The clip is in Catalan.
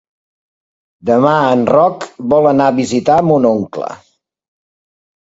Demà en Roc vol anar a visitar mon oncle.